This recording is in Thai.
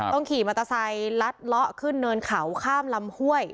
ขี่มอเตอร์ไซค์ลัดเลาะขึ้นเนินเขาข้ามลำห้วย